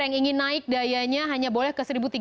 yang ingin naik dayanya hanya boleh ke tiga ratus